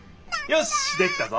よしできたぞ！